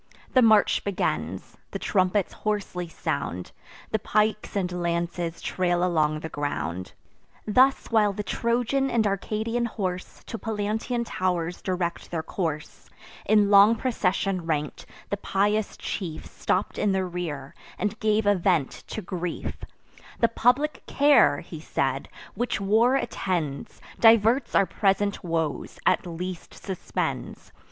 The march begins: the trumpets hoarsely sound; The pikes and lances trail along the ground. Thus while the Trojan and Arcadian horse To Pallantean tow'rs direct their course, In long procession rank'd, the pious chief Stopp'd in the rear, and gave a vent to grief: "The public care," he said, "which war attends, Diverts our present woes, at least suspends.